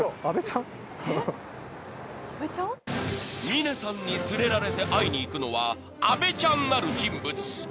［峰さんに連れられて会いに行くのはアベちゃんなる人物］